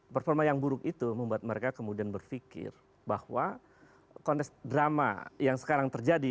performa yang buruk itu membuat mereka kemudian berpikir bahwa konteks drama yang sekarang terjadi